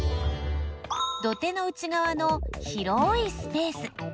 土手の内がわの広いスペース。